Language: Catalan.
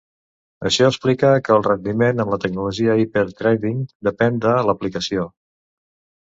Això explica per què el rendiment amb la tecnologia Hyper-Threading depèn de l'aplicació.